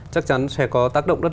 chắc chắn sẽ có rất nhiều năng lực